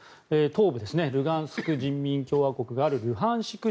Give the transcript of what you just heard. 東部ルガンスク人民共和国があるルハンシク